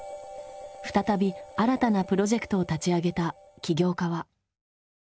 再び新たなプロジェクトを立ち上げた起業家は？